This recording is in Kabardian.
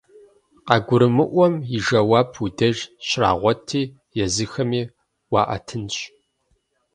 КъагурымыӀуэм и жэуап уи деж щрагъуэти, езыхэми уаӀэтынщ.